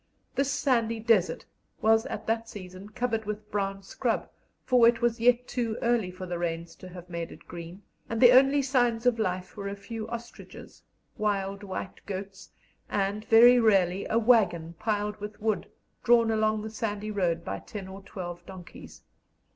This sandy desert was at that season covered with brown scrub, for it was yet too early for the rains to have made it green, and the only signs of life were a few ostriches, wild white goats, and, very rarely, a waggon piled with wood, drawn along the sandy road by ten or twelve donkeys.